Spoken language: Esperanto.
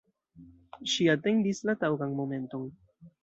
Ŝi atendis la taŭgan momenton.